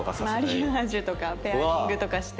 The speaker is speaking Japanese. マリアージュとかペアリングとかして。